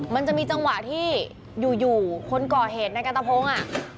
มันจะมีจังหวะที่อยู่คนก่อเหตุในกันตะพงศ์